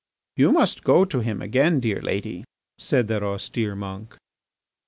"You must go to him again, dear lady," said that austere monk.